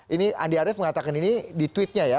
ini andi arief mengatakan ini di tweetnya ya